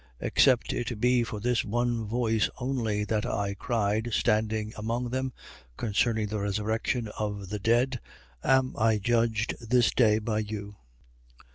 Except it be for this one voice only that I cried, standing among them: Concerning the resurrection of the dead am I judged this day by you.